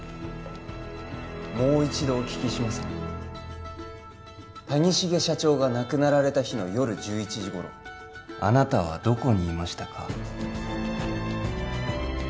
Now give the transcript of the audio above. もう一度お聞きしますね谷繁社長が亡くなられた日の夜１１時頃あなたはどこにいましたか？